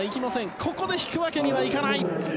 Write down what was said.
ここで引くわけにはいかない。